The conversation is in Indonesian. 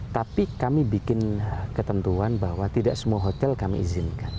tapi kami bikin ketentuan bahwa tidak semua hotel kami izinkan